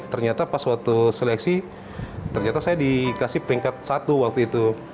ternyata pas waktu seleksi ternyata saya dikasih peringkat satu waktu itu